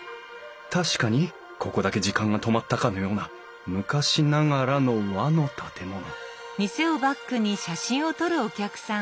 確かにここだけ時間が止まったかのような昔ながらの和の建物えっ